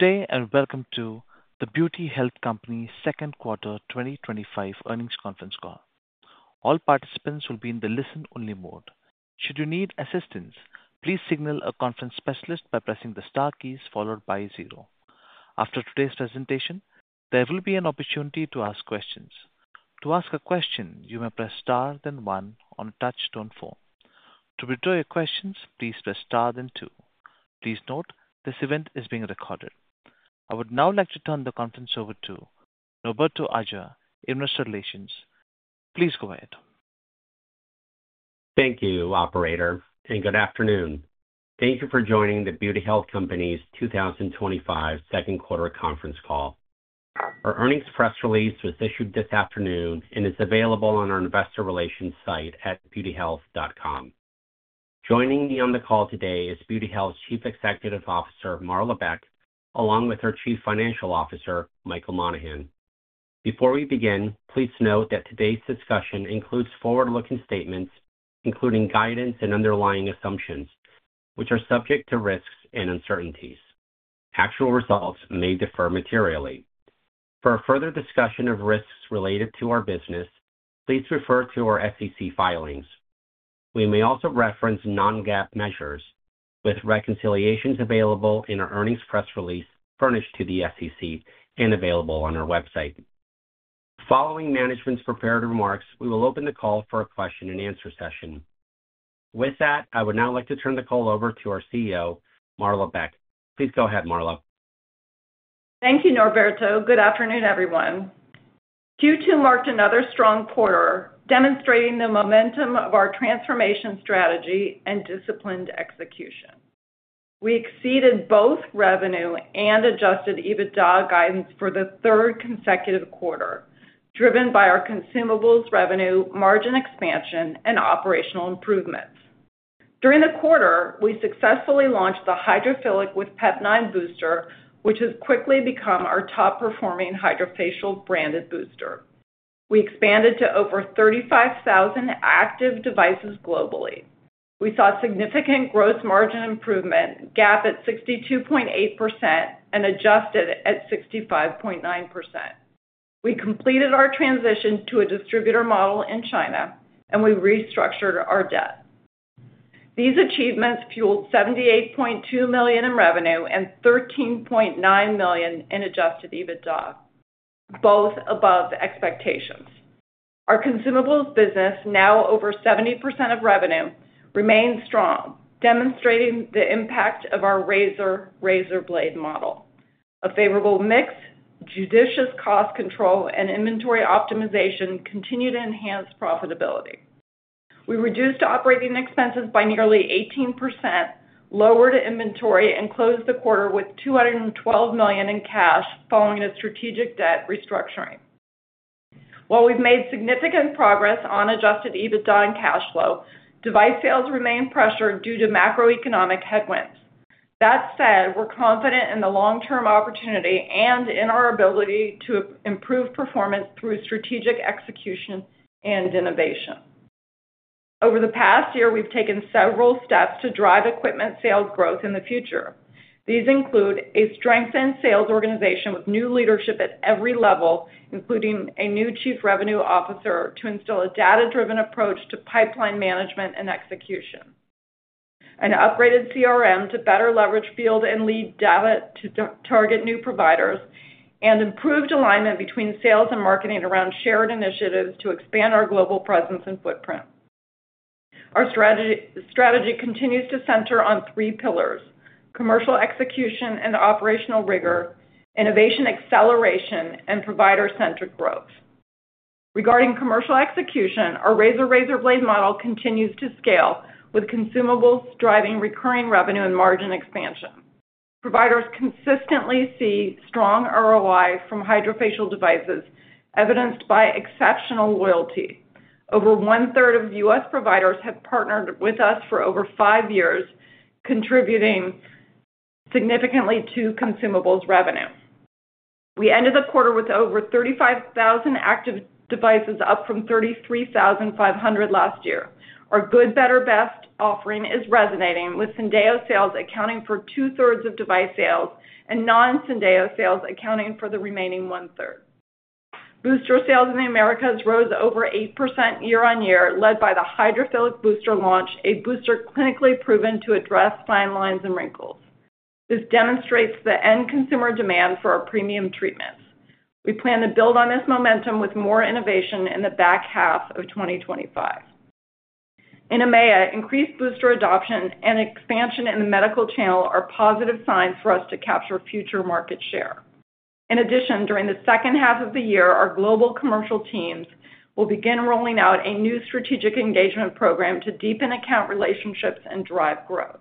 Today, I welcome you to The Beauty Health Company's Second Quarter 2025 Earnings Conference Call. All participants will be in the listen-only mode. Should you need assistance, please signal a conference specialist by pressing the star key followed by zero. After today's presentation, there will be an opportunity to ask questions. To ask a question, you may press star, then one on a touch-tone phone. To withdraw your question, please press star, then two. Please note this event is being recorded. I would now like to turn the conference over to Norberto Aja, Investor Relations. Please go ahead. Thank you, operator, and good afternoon. Thank you for joining The Beauty Health Company's 2025 Second Quarter Conference Call. Our earnings press release was issued this afternoon and is available on our investor relations site at beautyhealth.com. Joining me on the call today is The Beauty Health Company's Chief Executive Officer, Marla Beck, along with our Chief Financial Officer, Michael Monahan. Before we begin, please note that today's discussion includes forward-looking statements, including guidance and underlying assumptions, which are subject to risks and uncertainties. Actual results may differ materially. For further discussion of risks related to our business, please refer to our SEC filings. We may also reference non-GAAP measures, with reconciliations available in our earnings press release furnished to the SEC and available on our website. Following management's prepared remarks, we will open the call for a question and answer session. With that, I would now like to turn the call over to our CEO, Marla Beck. Please go ahead, Marla. Thank you, Norberto. Good afternoon, everyone. Q2 marked another strong quarter, demonstrating the momentum of our transformation strategy and disciplined execution. We exceeded both revenue and adjusted EBITDA guidance for the third consecutive quarter, driven by our consumables revenue, margin expansion, and operational improvements. During the quarter, we successfully launched the Hydrophilic with Peptide Booster, which has quickly become our top-performing Hydrafacial branded booster. We expanded to over 35,000 active devices globally. We saw significant gross margin improvement, GAAP at 62.8%, and adjusted at 65.9%. We completed our transition to a distributor model in China, and we restructured our debt. These achievements fueled $78.2 million in revenue and $13.9 million in adjusted EBITDA, both above expectations. Our consumables business, now over 70% of revenue, remains strong, demonstrating the impact of our Razor Razor Blade model. A favorable mix, judicious cost control, and inventory optimization continue to enhance profitability. We reduced operating expenses by nearly 18%, lowered inventory, and closed the quarter with $212 million in cash following a strategic debt restructuring. While we've made significant progress on adjusted EBITDA and cash flow, device sales remain pressured due to macroeconomic headwinds. That said, we're confident in the long-term opportunity and in our ability to improve performance through strategic execution and innovation. Over the past year, we've taken several steps to drive equipment sales growth in the future. These include a strengthened sales organization with new leadership at every level, including a new Chief Revenue Officer to instill a data-driven approach to pipeline management and execution, an upgraded CRM to better leverage field and lead data to target new providers, and improved alignment between sales and marketing around shared initiatives to expand our global presence and footprint. Our strategy continues to center on three pillars: commercial execution and operational rigor, innovation acceleration, and provider-centric growth. Regarding commercial execution, our Razor Razor Blade model continues to scale, with consumables driving recurring revenue and margin expansion. Providers consistently see strong ROI from Hydrafacial devices, evidenced by exceptional loyalty. Over 1/3 of U.S. providers have partnered with us for over five years, contributing significantly to consumables revenue. We ended the quarter with over 35,000 active devices, up from 33,500 last year. Our Good, Better, Best offering is resonating, with Syndeo sales accounting for two-thirds of device sales and non-Syndeo sales accounting for the remaining 1/3. Booster sales in the Americas rose over 8% year-on-year, led by the Hydrophilic with Peptide Booster launch, a booster clinically proven to address fine lines and wrinkles. This demonstrates the end-consumer demand for our premium treatments. We plan to build on this momentum with more innovation in the back half of 2025. In EMEA, increased booster adoption and expansion in the medical channel are positive signs for us to capture future market share. In addition, during the second half of the year, our global commercial teams will begin rolling out a new strategic engagement program to deepen account relationships and drive growth.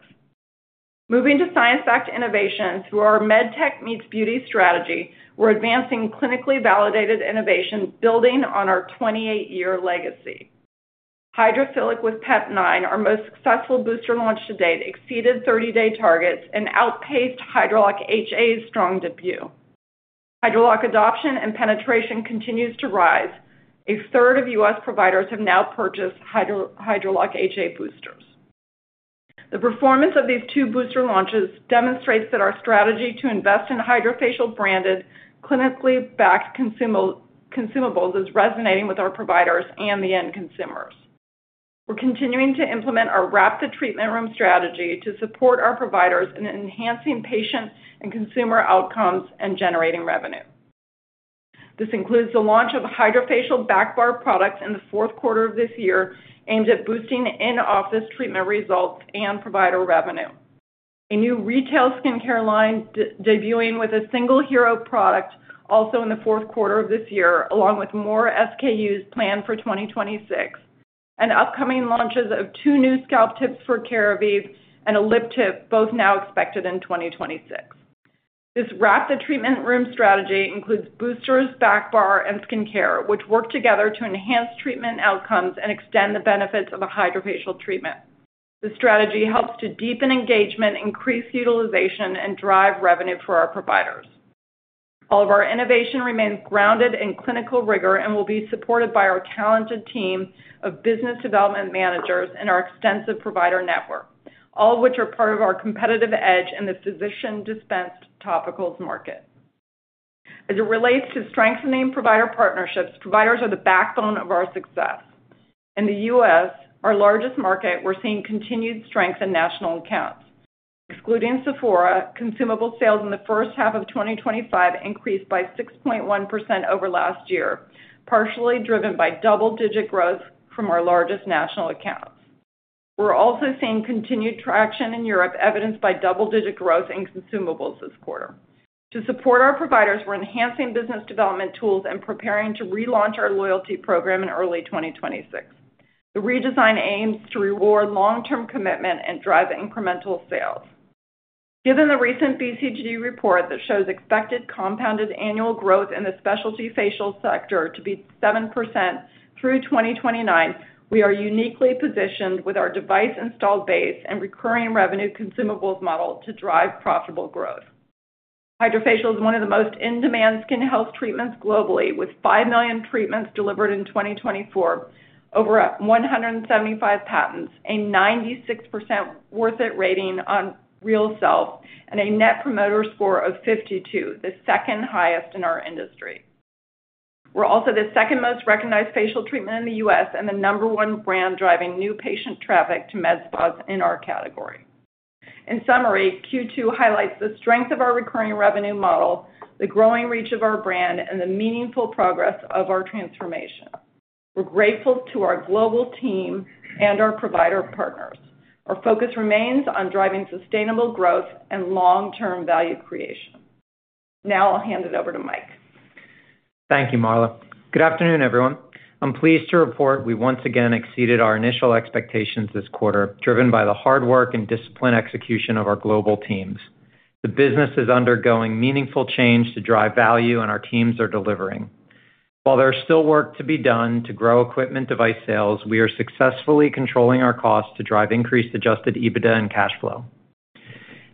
Moving to science-backed innovation, through our MedTech Meets Beauty strategy, we're advancing clinically validated innovation, building on our 28-year legacy. HydraFillic with Pep9, our most successful booster launch to date, exceeded 30-day targets and outpaced Hydralock HA's strong debut. Hydralock adoption and penetration continue to rise. A third of U.S. providers have now purchased Hydralock HA boosters. The performance of these two booster launches demonstrates that our strategy to invest in Hydrafacial branded, clinically backed consumables is resonating with our providers and the end-consumers. We're continuing to implement our Wrap the Treatment Room strategy to support our providers in enhancing patient and consumer outcomes and generating revenue. This includes the launch of the Hydrafacial Backbar product in the fourth quarter of this year, aimed at boosting in-office treatment results and provider revenue. A new retail skincare line debuting with a single-hero product also in the fourth quarter of this year, along with more SKUs planned for 2026, and upcoming launches of two new scalp tips for Keravive and a lip tip, both now expected in 2026. This Wrap the Treatment Room strategy includes boosters, backbar, and skincare, which work together to enhance treatment outcomes and extend the benefits of a Hydrafacial treatment. This strategy helps to deepen engagement, increase utilization, and drive revenue for our providers. All of our innovation remains grounded in clinical rigor and will be supported by our talented team of Business Development Managers and our extensive provider network, all of which are part of our competitive edge in the physician-dispensed topicals market. As it relates to strengthening provider partnerships, providers are the backbone of our success. In the U.S., our largest market, we're seeing continued strength in national accounts. Excluding Sephora, consumable sales in the first half of 2025 increased by 6.1% over last year, partially driven by double-digit growth from our largest national accounts. We're also seeing continued traction in EMEA, evidenced by double-digit growth in consumables this quarter. To support our providers, we're enhancing business development tools and preparing to relaunch our loyalty program in early 2026. The redesign aims to reward long-term commitment and drive incremental sales. Given the recent BCG report that shows expected compounded annual growth in the specialty facial sector to be 7% through 2029, we are uniquely positioned with our device-installed base and recurring revenue consumables model to drive profitable growth. Hydrafacial is one of the most in-demand skin health treatments globally, with 5 million treatments delivered in 2024, over 175 patents, a 96% worth it rating on RealSelf, and a Net Promoter Score of 52, the second highest in our industry. We're also the second most recognized facial treatment in the U.S. and the number one brand driving new patient traffic to med spas in our category. In summary, Q2 highlights the strength of our recurring revenue model, the growing reach of our brand, and the meaningful progress of our transformation. We're grateful to our global team and our provider partners. Our focus remains on driving sustainable growth and long-term value creation. Now I'll hand it over to Mike. Thank you, Marla. Good afternoon, everyone. I'm pleased to report we once again exceeded our initial expectations this quarter, driven by the hard work and disciplined execution of our global teams. The business is undergoing meaningful change to drive value, and our teams are delivering. While there is still work to be done to grow equipment device sales, we are successfully controlling our costs to drive increased adjusted EBITDA and cash flow.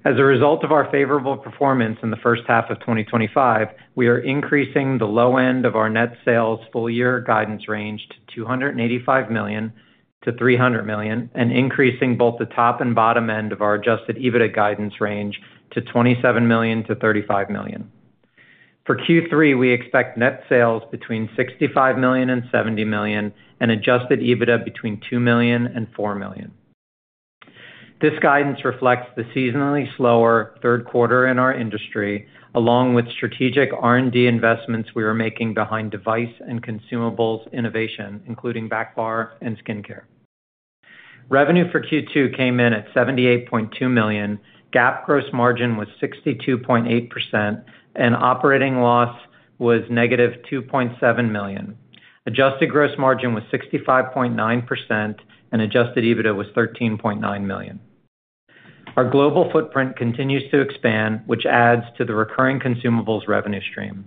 As a result of our favorable performance in the first half of 2025, we are increasing the low end of our net sales full-year guidance range to $285 million-$300 million and increasing both the top and bottom end of our adjusted EBITDA guidance range to $27 million-$35 million. For Q3, we expect net sales between $65 million and $70 million and adjusted EBITDA between $2 million and $4 million. This guidance reflects the seasonally slower third quarter in our industry, along with strategic R&D investments we are making behind device and consumables innovation, including backbar and skincare. Revenue for Q2 came in at $78.2 million, GAAP gross margin was 62.8%, and operating loss was -$2.7 million. Adjusted gross margin was 65.9%, and adjusted EBITDA was $13.9 million. Our global footprint continues to expand, which adds to the recurring consumables revenue stream.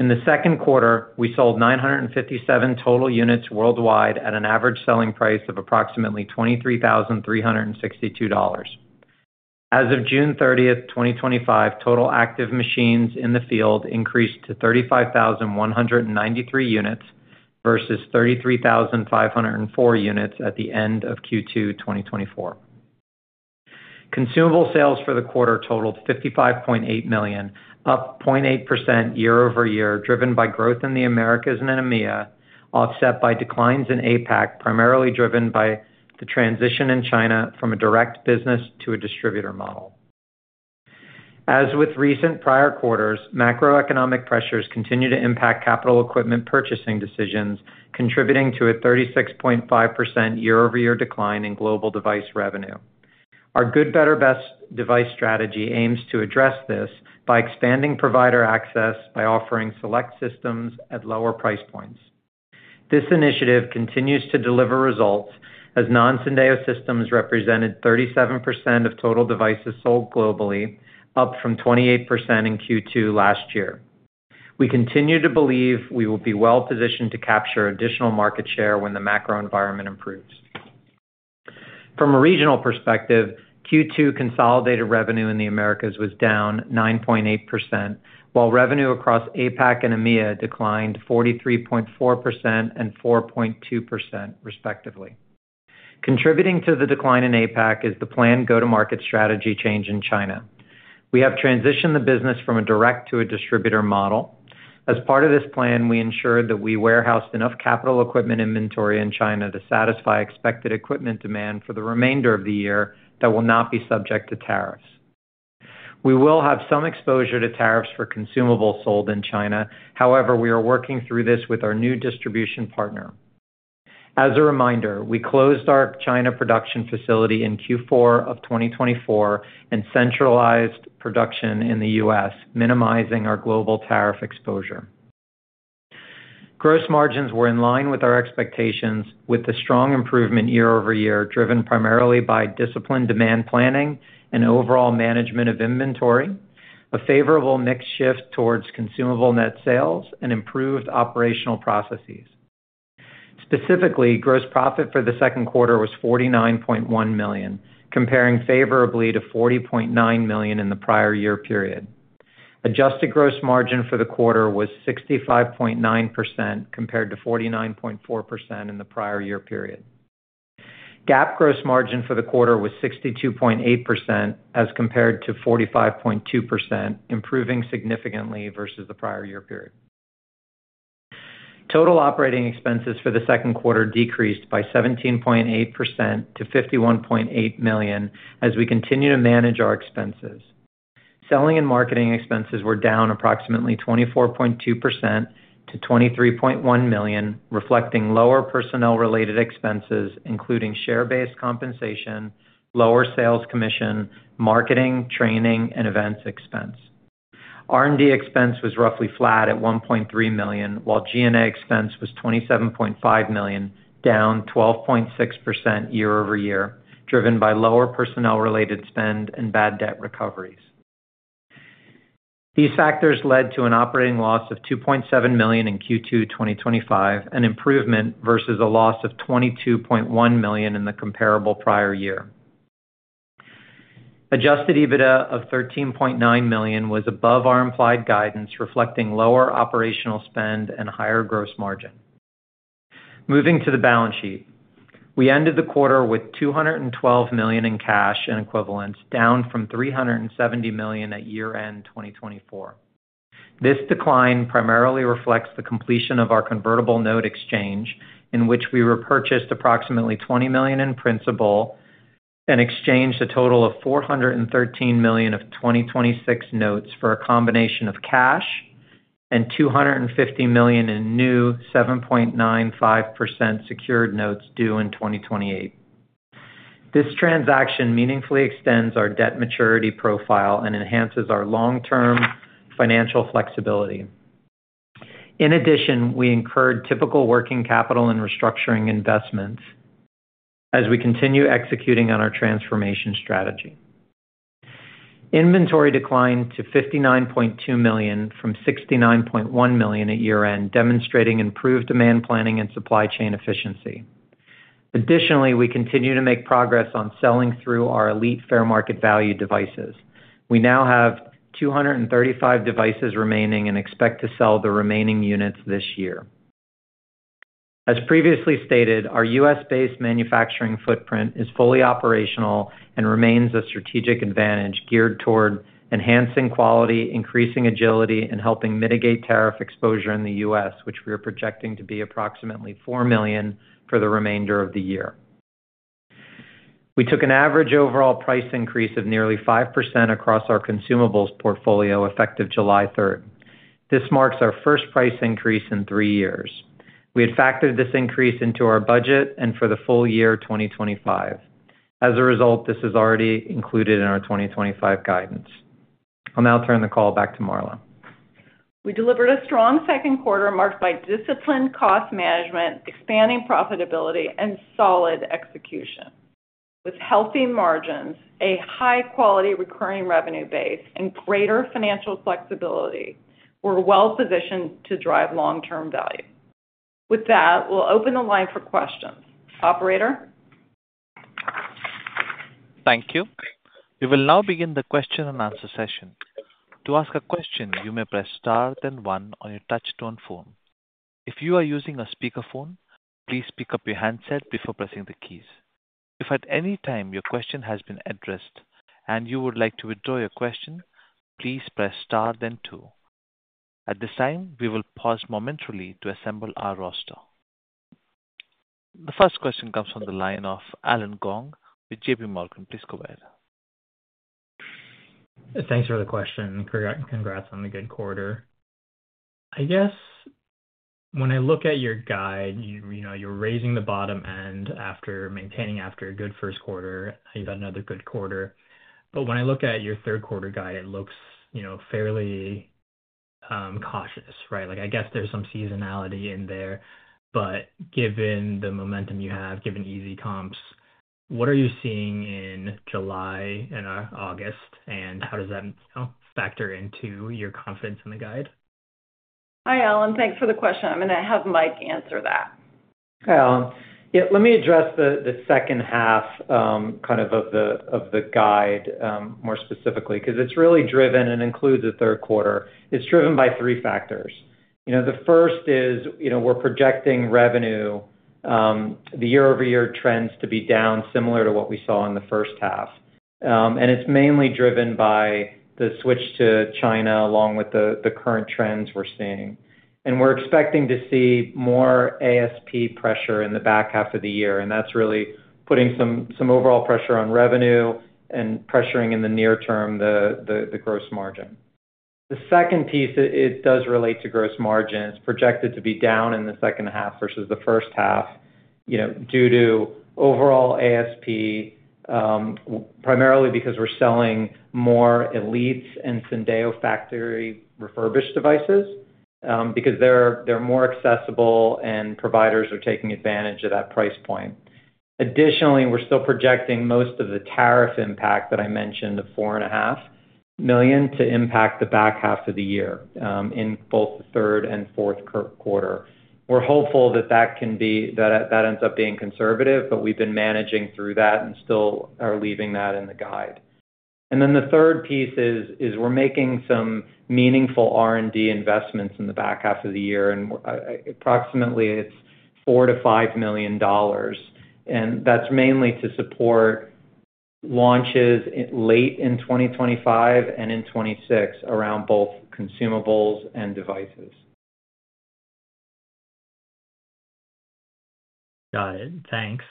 In the second quarter, we sold 957 total units worldwide at an average selling price of approximately $23,362. As of June 30, 2025, total active machines in the field increased to 35,193 units vs. 33,504 units at the end of Q2 2024. Consumable sales for the quarter totaled $55.8 million, up 0.8% year-over-year, driven by growth in the Americas and EMEA, offset by declines in APAC, primarily driven by the transition in China from a direct business to a distributor model. As with recent prior quarters, macroeconomic pressures continue to impact capital equipment purchasing decisions, contributing to a 36.5% year-over-year decline in global device revenue. Our Good, Better, Best device strategy aims to address this by expanding provider access by offering select systems at lower price points. This initiative continues to deliver results, as non-Syndeo systems represented 37% of total devices sold globally, up from 28% in Q2 last year. We continue to believe we will be well positioned to capture additional market share when the macro environment improves. From a regional perspective, Q2 consolidated revenue in the Americas was down 9.8%, while revenue across APAC and EMEA declined 43.4% and 4.2%, respectively. Contributing to the decline in APAC is the planned go-to-market strategy change in China. We have transitioned the business from a direct to a distributor model. As part of this plan, we ensured that we warehoused enough capital equipment inventory in China to satisfy expected equipment demand for the remainder of the year that will not be subject to tariffs. We will have some exposure to tariffs for consumables sold in China. However, we are working through this with our new distribution partner. As a reminder, we closed our China production facility in Q4 of 2024 and centralized production in the U.S., minimizing our global tariff exposure. Gross margins were in line with our expectations, with the strong improvement year over year, driven primarily by disciplined demand planning and overall management of inventory, a favorable mix shift towards consumable net sales, and improved operational processes. Specifically, gross profit for the second quarter was $49.1 million, comparing favorably to $40.9 million in the prior year period. Adjusted gross margin for the quarter was 65.9% compared to 49.4% in the prior year period. GAAP gross margin for the quarter was 62.8% as compared to 45.2%, improving significantly versus the prior year period. Total operating expenses for the second quarter decreased by 17.8% to $51.8 million as we continue to manage our expenses. Selling and marketing expenses were down approximately 24.2% to $23.1 million, reflecting lower personnel-related expenses, including share-based compensation, lower sales commission, marketing, training, and events expense. R&D expense was roughly flat at $1.3 million, while G&A expense was $27.5 million, down 12.6% year-over-year, driven by lower personnel-related spend and bad debt recoveries. These factors led to an operating loss of $2.7 million in Q2 2025, an improvement versus a loss of $22.1 million in the comparable prior year. Adjusted EBITDA of $13.9 million was above our implied guidance, reflecting lower operational spend and higher gross margin. Moving to the balance sheet, we ended the quarter with $212 million in cash and equivalents, down from $370 million at year-end 2024. This decline primarily reflects the completion of our convertible note exchange, in which we repurchased approximately $20 million in principal and exchanged a total of $413 million of 2026 notes for a combination of cash and $250 million in new 7.95% secured notes due in 2028. This transaction meaningfully extends our debt maturity profile and enhances our long-term financial flexibility. In addition, we incurred typical working capital and restructuring investments as we continue executing on our transformation strategy. Inventory declined to $59.2 million from $69.1 million at year-end, demonstrating improved demand planning and supply chain efficiency. Additionally, we continue to make progress on selling through our Elite fair market value devices. We now have 235 devices remaining and expect to sell the remaining units this year. As previously stated, our U.S.-based manufacturing footprint is fully operational and remains a strategic advantage geared toward enhancing quality, increasing agility, and helping mitigate tariff exposure in the U.S., which we are projecting to be approximately $4 million for the remainder of the year. We took an average overall price increase of nearly 5% across our consumables portfolio effective July 3rd. This marks our first price increase in three years. We had factored this increase into our budget and for the full year 2025. As a result, this is already included in our 2025 guidance. I'll now turn the call back to Marla. We delivered a strong second quarter marked by disciplined cost management, expanding profitability, and solid execution. With healthy margins, a high-quality recurring revenue base, and greater financial flexibility, we're well positioned to drive long-term value. With that, we'll open the line for questions. Operator? Thank you. We will now begin the question and answer session. To ask a question, you may press star then one on your touch-tone phone. If you are using a speakerphone, please pick up your handset before pressing the keys. If at any time your question has been addressed and you would like to withdraw your question, please press star then two. At this time, we will pause momentarily to assemble our roster. The first question comes from the line of Allen Gong with JPMorgan. Please go ahead. Thanks for the question and congrats on the good quarter. I guess when I look at your guide, you know you're raising the bottom end after maintaining after a good first quarter. You've had another good quarter. When I look at your third quarter guide, it looks, you know, fairly cautious, right? I guess there's some seasonality in there. Given the momentum you have, given easy comps, what are you seeing in July and August? How does that factor into your confidence in the guide? Hi, Allen. Thanks for the question. I'm going to have Mike answer that. Hi, Allen. Let me address the second half of the guide more specifically, because it's really driven and includes the third quarter. It's driven by three factors. The first is we're projecting revenue, the year-over-year trends to be down similar to what we saw in the first half. It's mainly driven by the switch to China, along with the current trends we're seeing. We're expecting to see more ASP pressure in the back half of the year. That's really putting some overall pressure on revenue and pressuring in the near term the gross margin. The second piece relates to gross margins. It's projected to be down in the second half versus the first half due to overall ASP, primarily because we're selling more Elite and Syndeo factory-refurbished devices, because they're more accessible and providers are taking advantage of that price point. Additionally, we're still projecting most of the tariff impact that I mentioned of $4.5 million to impact the back half of the year in both the third and fourth quarter. We're hopeful that ends up being conservative, but we've been managing through that and still are leaving that in the guide. The third piece is we're making some meaningful R&D investments in the back half of the year. Approximately, it's $4-$5 million. That's mainly to support launches late in 2025 and in 2026 around both consumables and devices. Got it. Thanks.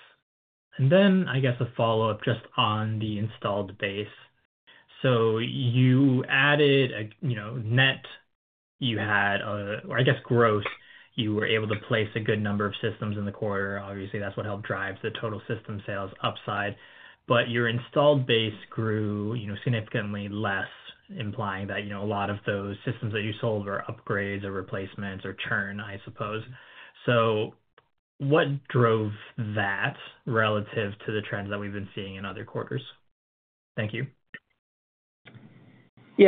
I guess a follow-up just on the installed base. You added a net, or I guess gross, you were able to place a good number of systems in the quarter. Obviously, that's what helped drive the total system sales upside. Your installed base grew significantly less, implying that a lot of those systems that you sold were upgrades or replacements or churn, I suppose. What drove that relative to the trends that we've been seeing in other quarters? Thank you. We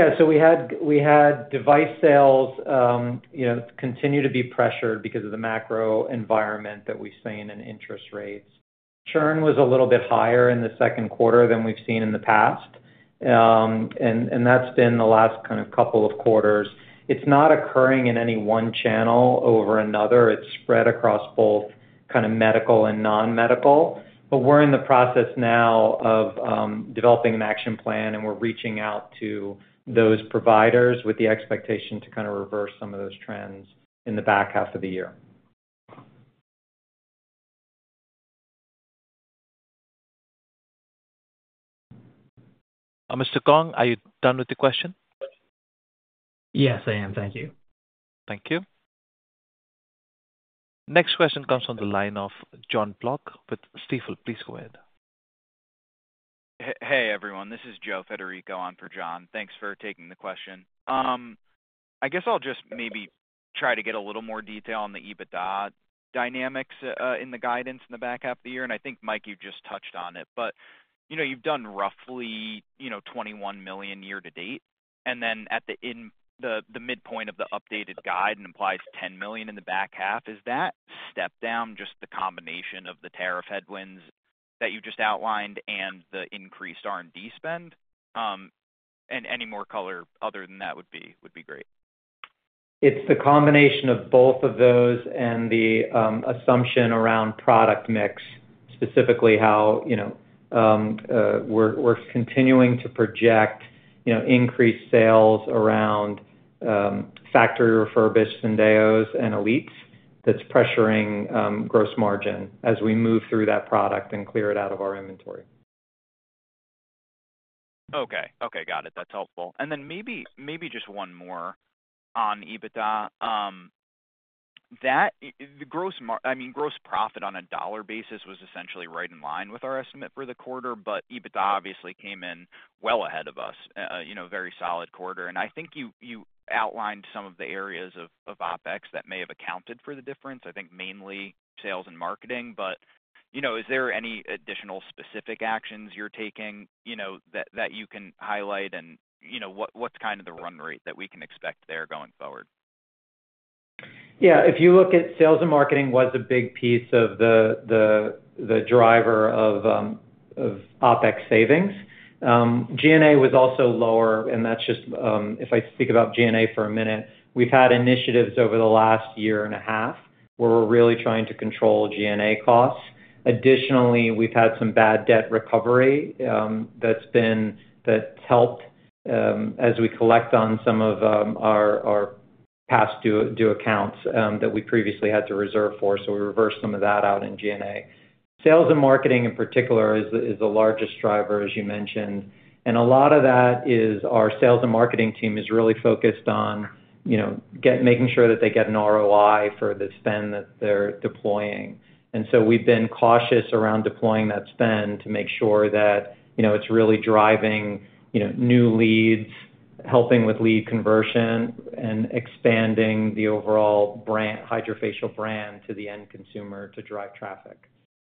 had device sales continue to be pressured because of the macro environment that we've seen and interest rates. Churn was a little bit higher in the second quarter than we've seen in the past. That's been the last couple of quarters. It's not occurring in any one channel over another. It's spread across both medical and non-medical. We're in the process now of developing an action plan, and we're reaching out to those providers with the expectation to reverse some of those trends in the back half of the year. Mr. Gong, are you done with the question? Yes, I am. Thank you. Thank you. Next question comes from the line of Jon Block with Stifel. Please go ahead. Hey, everyone. This is Joe Federico on for John. Thanks for taking the question. I guess I'll just maybe try to get a little more detail on the EBITDA dynamics in the guidance in the back half of the year. I think, Mike, you just touched on it. You've done roughly $21 million year to date, and then at the midpoint of the updated guide, it implies $10 million in the back half. Is that step down just the combination of the tariff headwinds that you just outlined and the increased R&D spend? Any more color other than that would be great. It's the combination of both of those and the assumption around product mix, specifically how we're continuing to project increased sales around factory-refurbished Sindeos and Elites that's pressuring gross margin as we move through that product and clear it out of our inventory. Okay, got it. That's helpful. Maybe just one more on EBITDA. I mean, gross profit on a dollar basis was essentially right in line with our estimate for the quarter, but EBITDA obviously came in well ahead of us, a very solid quarter. I think you outlined some of the areas of OpEx that may have accounted for the difference, mainly sales and marketing. Is there any additional specific actions you're taking that you can highlight? What's kind of the run rate that we can expect there going forward? Yeah, if you look at sales and marketing, it was a big piece of the driver of OpEx savings. G&A was also lower. If I speak about G&A for a minute, we've had initiatives over the last year and a half where we're really trying to control G&A costs. Additionally, we've had some bad debt recovery that's helped as we collect on some of our past due accounts that we previously had to reserve for. We reversed some of that out in G&A. Sales and marketing in particular is the largest driver, as you mentioned. A lot of that is our sales and marketing team is really focused on making sure that they get an ROI for the spend that they're deploying. We've been cautious around deploying that spend to make sure that it's really driving new leads, helping with lead conversion, and expanding the overall Hydrafacial brand to the end consumer to drive traffic.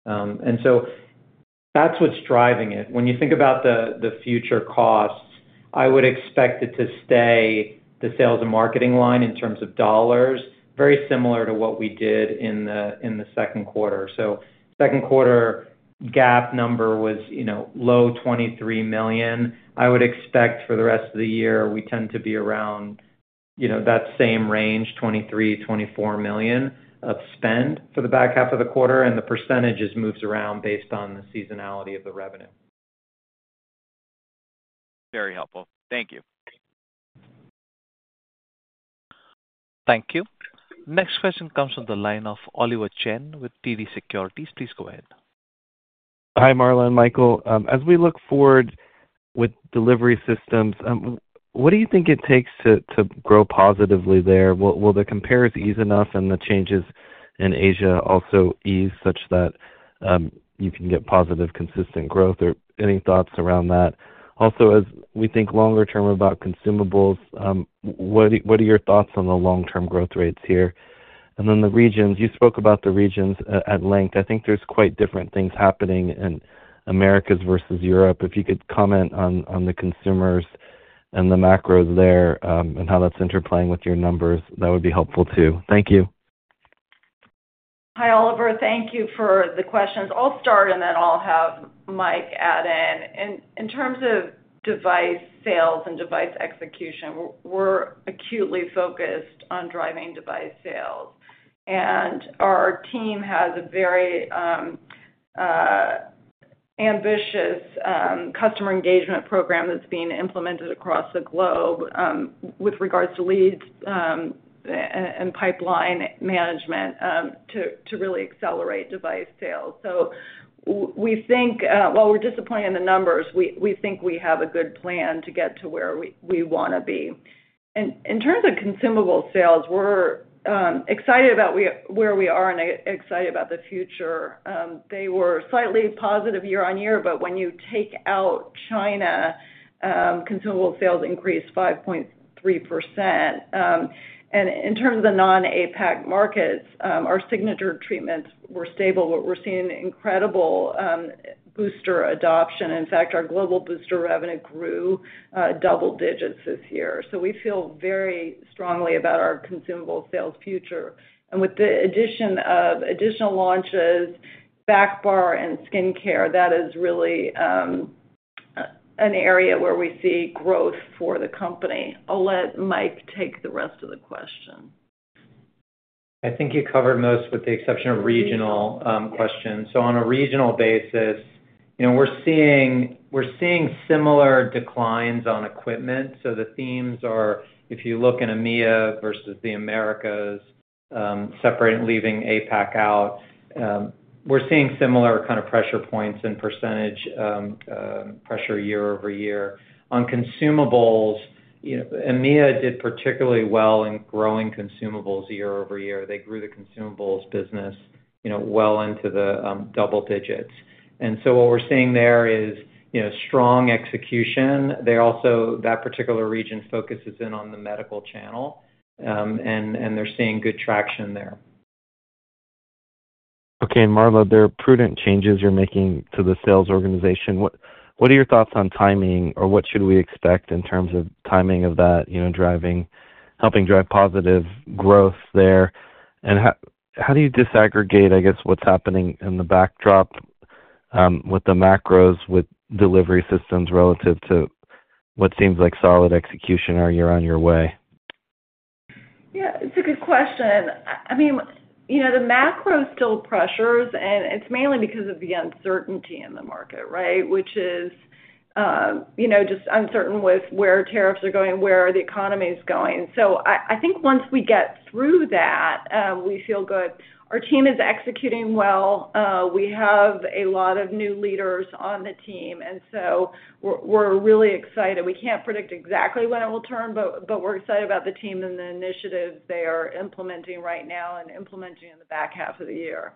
That's what's driving it. When you think about the future costs, I would expect it to stay, the sales and marketing line in terms of dollars, very similar to what we did in the second quarter. Second quarter GAAP number was low $23 million. I would expect for the rest of the year we tend to be around that same range, $23 million, $24 million of spend for the back half of the quarter. The percentage just moves around based on the seasonality of the revenue. Very helpful. Thank you. Thank you. Next question comes from the line of Oliver Chen with Raymond James & Associates. Please go ahead. Hi, Marla and Michael. As we look forward with delivery systems, what do you think it takes to grow positively there? Will the comparative ease enough and the changes in Asia also ease such that you can get positive, consistent growth? Any thoughts around that? Also, as we think longer term about consumables, what are your thoughts on the long-term growth rates here? The regions, you spoke about the regions at length. I think there's quite different things happening in Americas versus Europe. If you could comment on the consumers and the macros there and how that's interplaying with your numbers, that would be helpful too. Thank you. Hi, Oliver. Thank you for the questions. I'll start and then I'll have Mike add in. In terms of device sales and device execution, we're acutely focused on driving device sales. Our team has a very ambitious customer engagement program that's being implemented across the globe with regards to leads and pipeline management to really accelerate device sales. We think while we're disappointed in the numbers, we think we have a good plan to get to where we want to be. In terms of consumable sales, we're excited about where we are and excited about the future. They were slightly positive year on year, but when you take out China, consumable sales increased 5.3%. In terms of the non-APAC markets, our signature treatments were stable. We're seeing incredible booster adoption. In fact, our global booster revenue grew double digits this year. We feel very strongly about our consumable sales future. With the addition of additional launches, backbar, and skincare, that is really an area where we see growth for the company. I'll let Mike take the rest of the question. I think you covered most with the exception of regional questions. On a regional basis, you know we're seeing similar declines on equipment. The themes are, if you look in EMEA versus the Americas, separate and leaving APAC out, we're seeing similar kind of pressure points and percentage pressure year-over-year. On consumables, EMEA did particularly well in growing consumables year-over-year. They grew the consumables business well into the double digits. What we're seeing there is strong execution. That particular region focuses in on the medical channel, and they're seeing good traction there. Marla, there are prudent changes you're making to the sales organization. What are your thoughts on timing or what should we expect in terms of timing of that driving, helping drive positive growth there? How do you disaggregate, I guess, what's happening in the backdrop with the macros with delivery systems relative to what seems like solid execution? Are you on your way? Yeah, it's a good question. The macro still pressures, and it's mainly because of the uncertainty in the market, right? Which is just uncertain with where tariffs are going, where the economy is going. I think once we get through that, we feel good. Our team is executing well. We have a lot of new leaders on the team, and we're really excited. We can't predict exactly when it will turn, but we're excited about the team and the initiatives they are implementing right now and implementing in the back half of the year.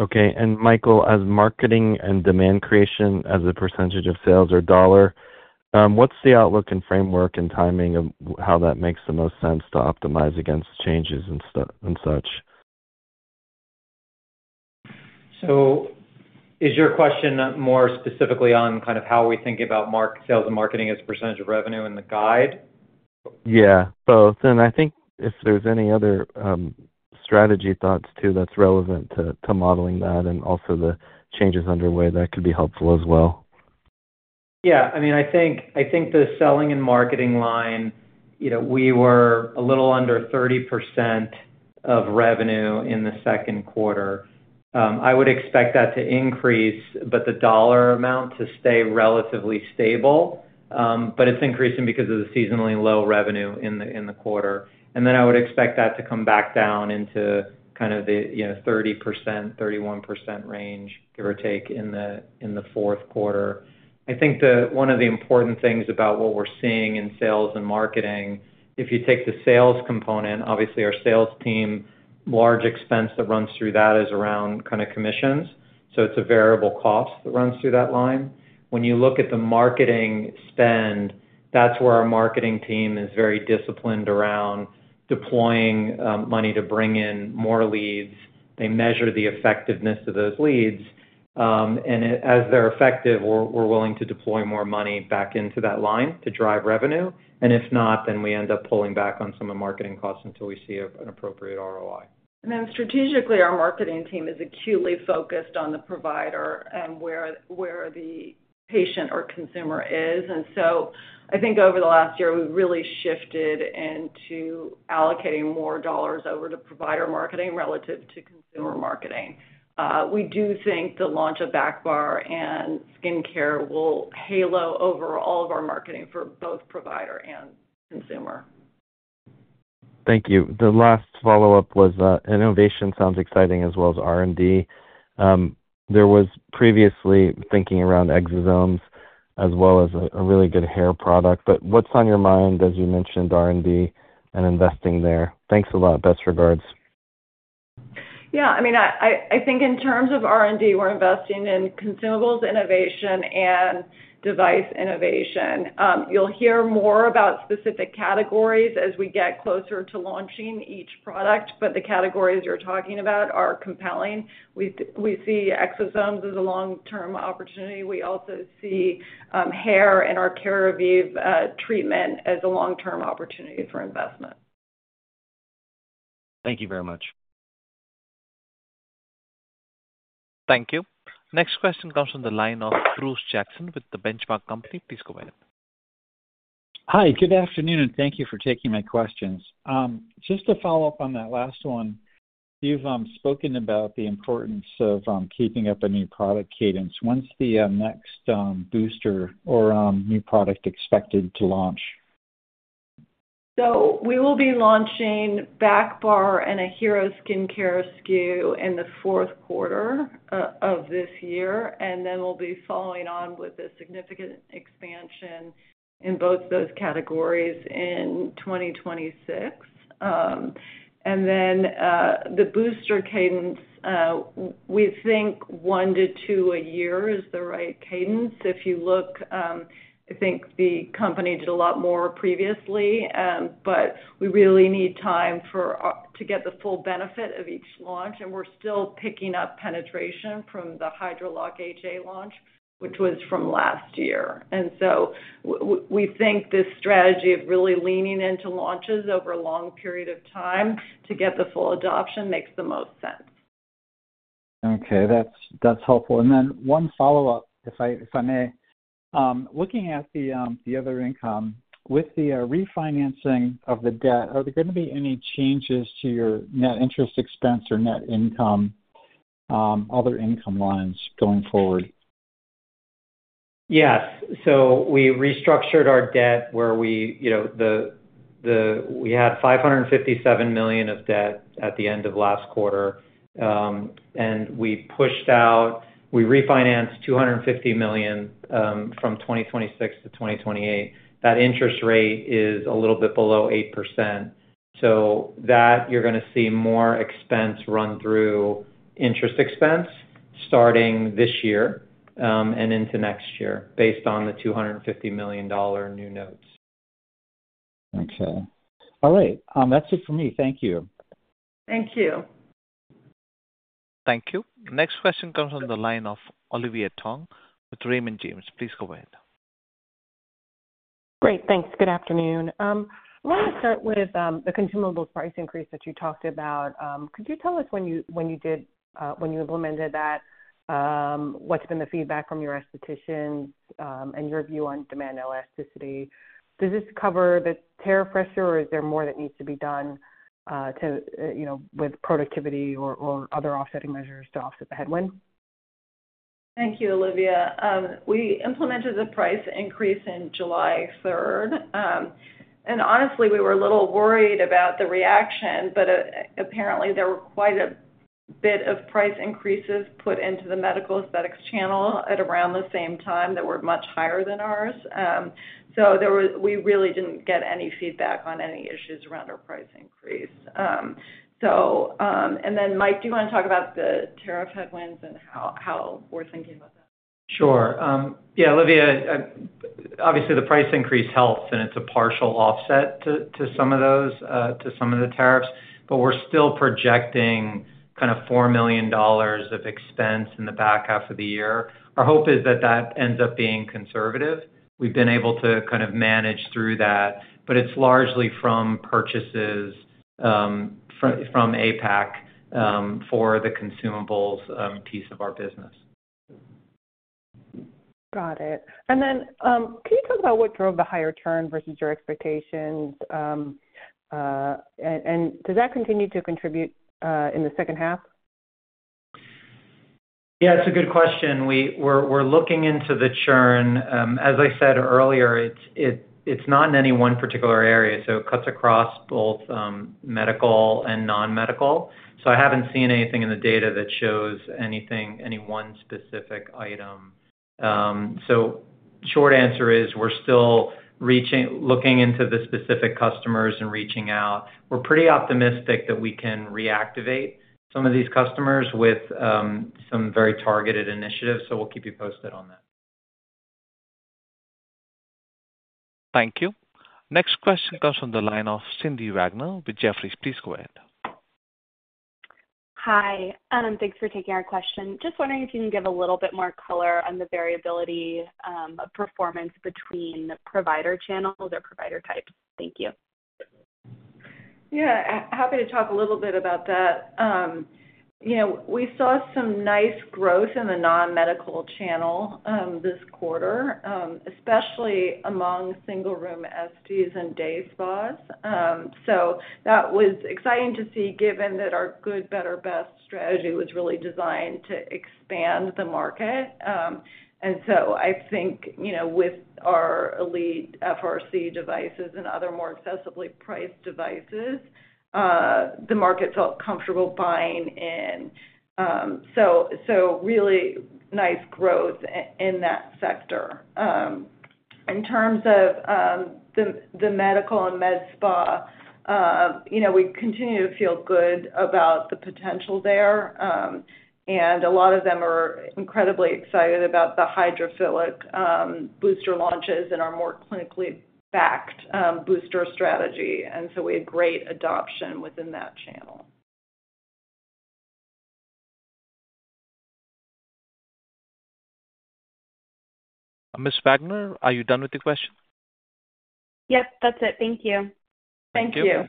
Okay. Michael, as marketing and demand creation as a percentage of sales or dollar, what's the outlook and framework and timing of how that makes the most sense to optimize against changes and such? Is your question more specifically on kind of how we think about sales and marketing as a percentage of revenue in the guide? Yeah, both. I think if there's any other strategy thoughts too that's relevant to modeling that and also the changes underway, that could be helpful as well. Yeah, I think the selling and marketing line, we were a little under 30% of revenue in the second quarter. I would expect that to increase, but the dollar amount to stay relatively stable. It's increasing because of the seasonally low revenue in the quarter. I would expect that to come back down into kind of the 30%-31% range, give or take, in the fourth quarter. One of the important things about what we're seeing in sales and marketing, if you take the sales component, obviously our sales team, large expense that runs through that is around kind of commissions. It's a variable cost that runs through that line. When you look at the marketing spend, that's where our marketing team is very disciplined around deploying money to bring in more leads. They measure the effectiveness of those leads. As they're effective, we're willing to deploy more money back into that line to drive revenue. If not, then we end up pulling back on some of the marketing costs until we see an appropriate ROI. Strategically, our marketing team is acutely focused on the provider and where the patient or consumer is. Over the last year, we've really shifted into allocating more dollars over to provider marketing relative to consumer marketing. We do think the launch of backbar and skincare will halo over all of our marketing for both provider and consumer. Thank you. The last follow-up was innovation sounds exciting as well as R&D. There was previously thinking around exosomes as well as a really good hair product. What's on your mind, as you mentioned, R&D and investing there? Thanks a lot. Best regards. Yeah, I think in terms of R&D, we're investing in consumables innovation and device innovation. You'll hear more about specific categories as we get closer to launching each product. The categories you're talking about are compelling. We see exosomes as a long-term opportunity. We also see hair and our Keravive treatment as a long-term opportunity for investment. Thank you very much. Thank you. Next question comes from the line of Bruce Jackson with The Benchmark Company. Please go ahead. Hi, good afternoon, and thank you for taking my questions. Just to follow up on that last one, you've spoken about the importance of keeping up a new product cadence. When's the next booster or new product expected to launch? We will be launching Hydrafacial Backbar and a hero skincare SKU in the fourth quarter of this year, followed by a significant expansion in both those categories in 2026. The booster cadence, we think one to two a year is the right cadence. If you look, I think the company did a lot more previously, but we really need time to get the full benefit of each launch. We're still picking up penetration from the Hydralock HA launch, which was from last year. We think this strategy of really leaning into launches over a long period of time to get the full adoption makes the most sense. Okay, that's helpful. One follow-up, if I may. Looking at the other income, with the refinancing of the debt, are there going to be any changes to your net interest expense or net income, other income lines going forward? Yes. We restructured our debt where we had $557 million of debt at the end of last quarter. We pushed out, we refinanced $250 million from 2026-2028. That interest rate is a little bit below 8%. You're going to see more expense run through interest expense starting this year and into next year based on the $250 million new notes. Okay. All right. That's it for me. Thank you. Thank you. Thank you. Next question comes from the line of Olivia Tong with Raymond James. Please go ahead. Great, thanks. Good afternoon. I want to start with the consumable price increase that you talked about. Could you tell us when you did, when you implemented that, what's been the feedback from your esthetician and your view on demand elasticity? Does this cover the tariff pressure or is there more that needs to be done with productivity or other offsetting measures to offset the headwind? Thank you, Olivia. We implemented the price increase on July 3rd. Honestly, we were a little worried about the reaction, but apparently there were quite a bit of price increases put into the medical aesthetics channel at around the same time that were much higher than ours. We really didn't get any feedback on any issues around our price increase. Mike, do you want to talk about the tariff headwinds and how we're thinking about that? Sure. Yeah, Olivia, obviously the price increase helps and it's a partial offset to some of those, to some of the tariffs. We're still projecting kind of $4 million of expense in the back half of the year. Our hope is that that ends up being conservative. We've been able to kind of manage through that. It's largely from purchases from APAC for the consumables piece of our business. Got it. Can you talk about what drove the higher churn versus your expectations? Does that continue to contribute in the second half? Yeah, it's a good question. We're looking into the churn. As I said earlier, it's not in any one particular area. It cuts across both medical and non-medical. I haven't seen anything in the data that shows any one specific item. The short answer is we're still looking into the specific customers and reaching out. We're pretty optimistic that we can reactivate some of these customers with some very targeted initiatives. We'll keep you posted on that. Thank you. Next question comes from the line of Sydney Wagner with Jefferies. Please go ahead. Hi, thanks for taking our question. Just wondering if you can give a little bit more color on the variability of performance between provider channels or provider types. Thank you. Yeah, happy to talk a little bit about that. We saw some nice growth in the non-medical channel this quarter, especially among single-room SDs and day spas. That was exciting to see given that our Good, Better, Best strategy was really designed to expand the market. I think with our Elite factory-refurbished devices and other more accessibly priced devices, the market felt comfortable buying in. Really nice growth in that sector. In terms of the medical and med spa, we continue to feel good about the potential there. A lot of them are incredibly excited about the Hydrafillic Booster launches and our more clinically backed booster strategy. We had great adoption within that channel. Miss Wagner, are you done with the question? Yep, that's it. Thank you. Thank you.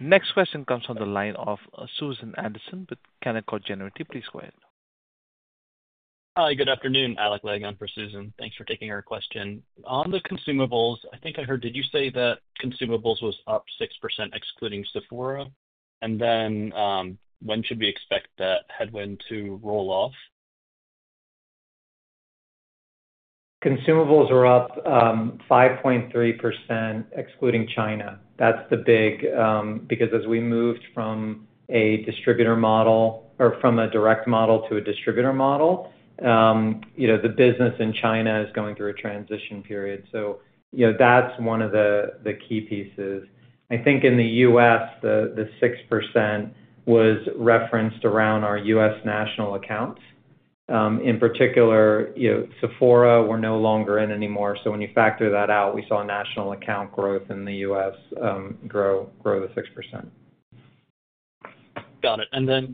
Next question comes from the line of Susan Anderson with Canaccord Genuity. Please go ahead. Hi, good afternoon. Alec Legg, I'm for Susan. Thanks for taking our question. On the consumables, I think I heard, did you say that consumables was up 6% excluding Sephora? When should we expect that headwind to roll off? Consumables are up 5.3% excluding China. That's big because as we moved from a direct model to a distributor model, the business in China is going through a transition period. That's one of the key pieces. I think in the U.S., the 6% was referenced around our U.S. national accounts. In particular, Sephora we're no longer in anymore. When you factor that out, we saw national account growth in the U.S. grow the 6%. Got it.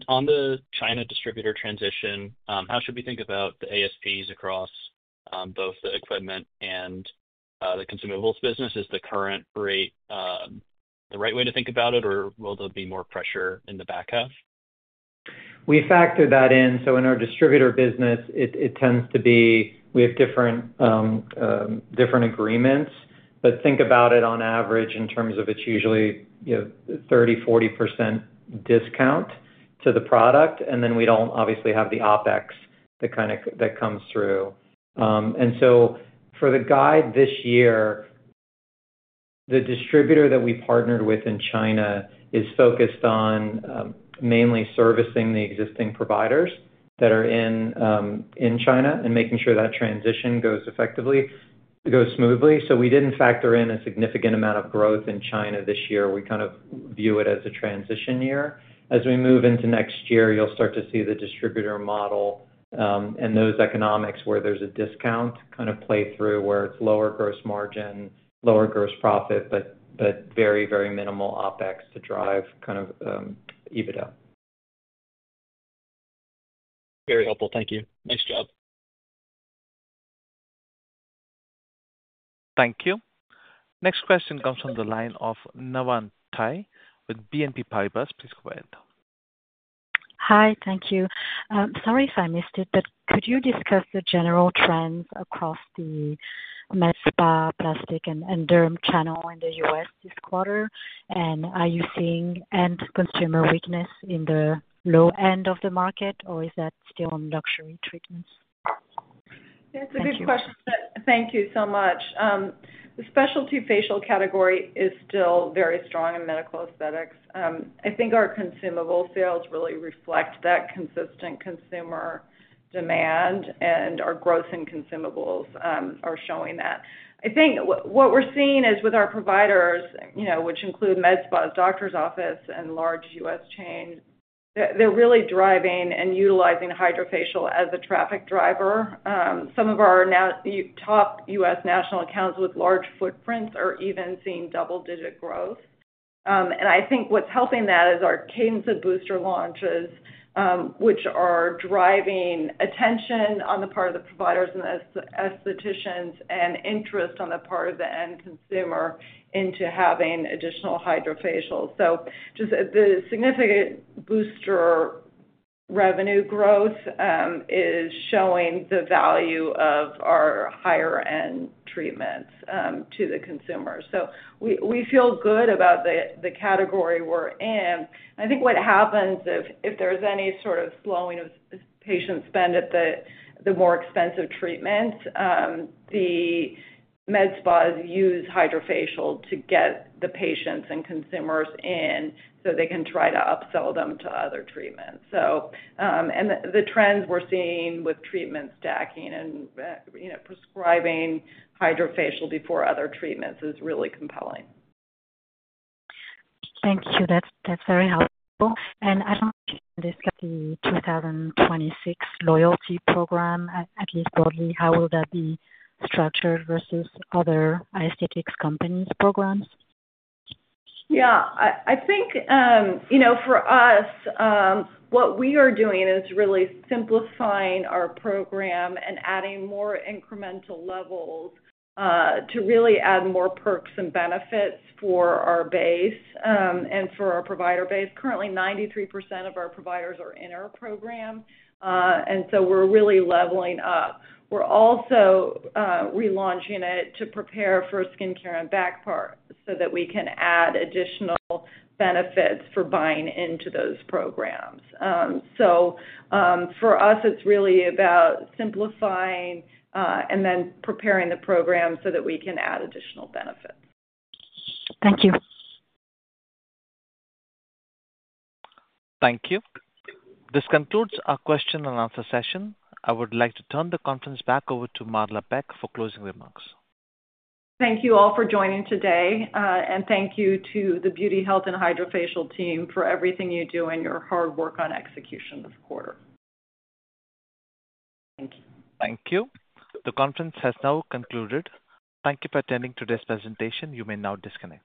On the China distributor transition, how should we think about the ASPs across both the equipment and the consumables business? Is the current rate the right way to think about it, or will there be more pressure in the back half? We factor that in. In our distributor business, it tends to be we have different agreements. Think about it on average in terms of it's usually a 30%-40% discount to the product. We don't obviously have the OpEx that kind of comes through. For the guide this year, the distributor that we partnered with in China is focused on mainly servicing the existing providers that are in China and making sure that transition goes effectively, goes smoothly. We didn't factor in a significant amount of growth in China this year. We kind of view it as a transition year. As we move into next year, you'll start to see the distributor model and those economics where there's a discount kind of play through where it's lower gross margin, lower gross profit, but very, very minimal OpEx to drive kind of EBITDA. Very helpful. Thank you. Nice job. Thank you. Next question comes from the line of Navann Ty with BNP Paribas. Please go ahead. Hi, thank you. Sorry if I missed it, but could you discuss the general trends across the med spa, plastic and derm channel in the US this quarter? Are you seeing end consumer weakness in the low end of the market, or is that still in luxury treatments? Yeah, it's a good question. Thank you so much. The specialty facial category is still very strong in medical aesthetics. I think our consumable sales really reflect that consistent consumer demand, and our growth in consumables is showing that. I think what we're seeing is with our providers, you know, which include med spa, doctor's office, and large U.S. chains, they're really driving and utilizing Hydrafacial as a traffic driver. Some of our top U.S. national accounts with large footprints are even seeing double-digit growth. What's helping that is our cadence of booster launches, which are driving attention on the part of the providers and the aestheticians and interest on the part of the end consumer into having additional Hydrafacials. Just the significant booster revenue growth is showing the value of our higher-end treatments to the consumer. We feel good about the category we're in. I think what happens if there's any sort of slowing of patient spend at the more expensive treatments, the med spas use Hydrafacial to get the patients and consumers in so they can try to upsell them to other treatments. The trends we're seeing with treatment stacking and, you know, prescribing Hydrafacial before other treatments is really compelling. Thank you. That's very helpful. I don't understand the 2026 loyalty program, at least broadly. How will that be structured versus other aesthetics companies' programs? Yeah, I think, you know, for us, what we are doing is really simplifying our program and adding more incremental levels to really add more perks and benefits for our base and for our provider base. Currently, 93% of our providers are in our program, and we're really leveling up. We're also relaunching it to prepare for skincare and backbar so that we can add additional benefits for buying into those programs. For us, it's really about simplifying and then preparing the program so that we can add additional benefits. Thank you. Thank you. This concludes our question and answer session. I would like to turn the conference back over to Marla Beck for closing remarks. Thank you all for joining today, and thank you to The Beauty Health Company and Hydrafacial team for everything you do and your hard work on execution this quarter. Thank you. Thank you. The conference has now concluded. Thank you for attending today's presentation. You may now disconnect.